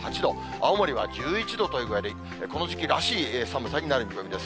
青森は１１度という具合で、この時期らしい寒さになる見込みです。